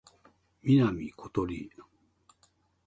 南ことり